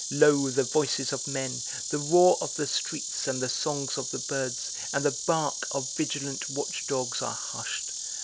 Lo! the voices of men, The roar of the streets, and the songs of the birds, and the bark Of vigilant watch dogs are hushed!